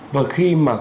và khi mà các